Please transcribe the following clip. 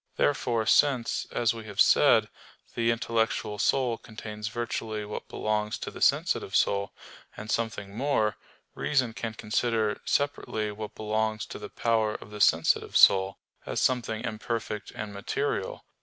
Therefore since, as we have said, the intellectual soul contains virtually what belongs to the sensitive soul, and something more, reason can consider separately what belongs to the power of the sensitive soul, as something imperfect and material.